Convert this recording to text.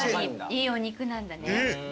いいお肉なんだね。